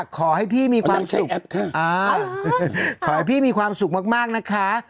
ขอให้พี่มีความสุขขอให้พี่มีความสุขมากนะคะ